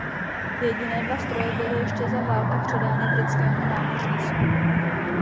Jediné dva stroje byly ještě za války předány britskému námořnictvu.